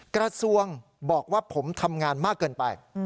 กระทรวงบอกว่าผมทำงานมากเกินไป